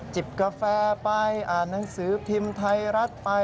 กาแฟไปอ่านหนังสือพิมพ์ไทยรัฐไป